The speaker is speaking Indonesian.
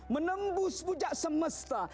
menembus bujak semesta